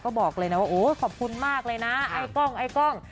ก็บอกเลยนะว่าโอ้ขอบคุณมากเลยนะไอ้กล้องไอ้กล้อง